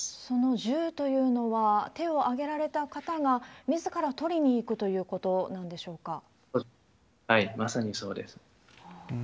その銃というのは、手を挙げられた方がみずから取りに行くということなんでしょうかまさにそうです。